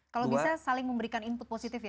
kalau bisa saling memberikan input positif ya